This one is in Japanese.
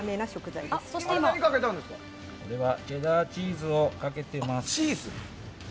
これはチェダーチーズをかけています。